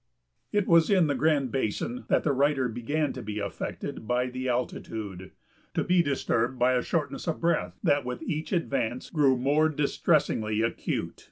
] It was in the Grand Basin that the writer began to be seriously affected by the altitude, to be disturbed by a shortness of breath that with each advance grew more distressingly acute.